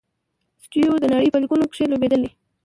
سټیو و د نړۍ په لیګونو کښي لوبېدلی.